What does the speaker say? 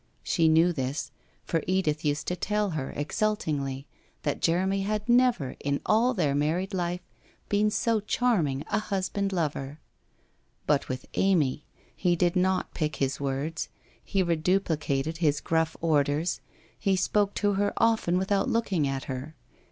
She knew this, for Edith used to tell her exultingly that Jeremy had never in all their married life been so charming a husband lover. But with Amy, he did not pick his words, he reduplicated his gruff orders, he spoke to her often without looking at her.